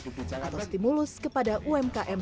atau stimulus kepada umkm